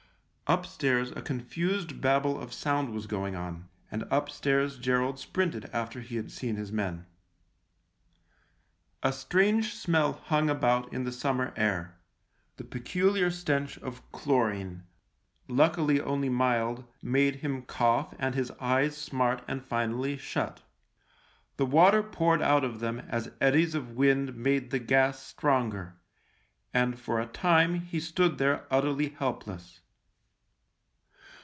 Upstairs a confused babel of sound was going on, and upstairs Gerald sprinted after he had seen his men. A strange smell hung about in the summer air ; the peculiar stench of chlorine, luckily only mild, made him cough and his eyes smart and finally shut. The water poured out of them as eddies of wind made the gas stronger, and for a time he stood there utterly helpless.